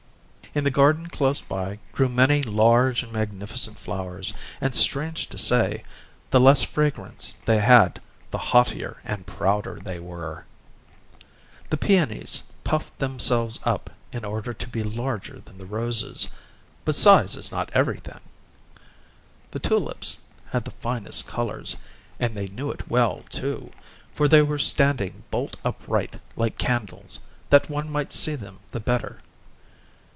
In the garden close by grew many large and magnificent flowers, and, strange to say, the less fragrance they had the haughtier and prouder they were. The peonies puffed themselves up in order to be larger than the roses, but size is not everything! The tulips had the finest colours, and they knew it well, too, for they were standing bolt upright like candles, that one might see them the better.